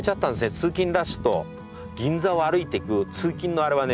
通勤ラッシュと銀座を歩いていく通勤のあれはね